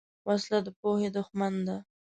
وسله د پوهې دښمن ده